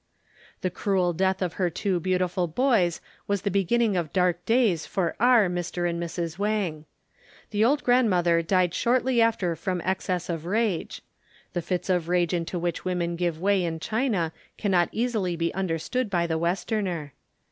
The cruel death of their two beautiful boys was the beginning of dark days for our Mr. and Mrs. Wang. The old grandmother died shortly after from excess of rage. (The fits of rage to which women give way in China cannot easily be understood by the Westerner).